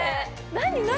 何何？